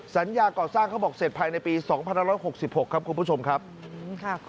สัญญาก่อสร้างเขาบอกเสร็จภายในปีสองพันร้อยหกสิบหกครับคุณผู้ชมครับค่ะ